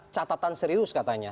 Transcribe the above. catatan serius katanya